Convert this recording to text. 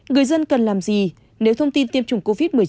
người dân cần làm gì nếu thông tin tiêm chủng covid một mươi chín